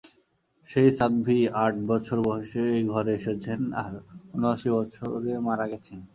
সেই সাধ্বী আট বছর বয়সে এই ঘরে এসেছেন, আর উনআশি বছরে মারা গেছেন।